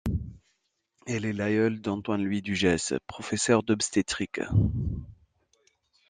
Elle est l'aïeule d'Antoine-Louis Dugès, professeur d'obstétrique.